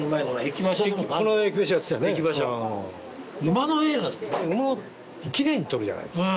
馬をきれいに撮るじゃないですか